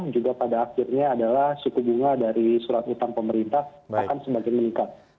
juga pada akhirnya adalah suku bunga dari surat utang pemerintah akan semakin meningkat